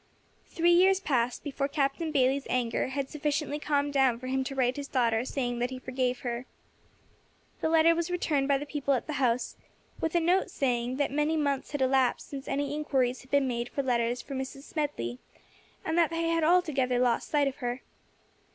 Three years passed before Captain Bayley's anger had sufficiently calmed down for him to write to his daughter saying that he forgave her. The letter was returned by the people at the house, with a note saying that many months had elapsed since any inquiries had been made for letters for Mrs. Smedley, and that they had altogether lost sight of her.